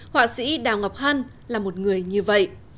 họa sĩ đào ngọc hân là một người như vậy